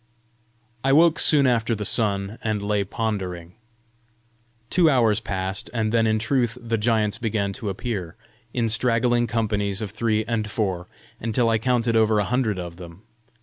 I woke soon after the sun, and lay pondering. Two hours passed, and then in truth the giants began to appear, in straggling companies of three and four, until I counted over a hundred of them.